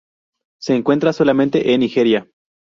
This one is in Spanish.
Se encuentra solamente en Nigeria.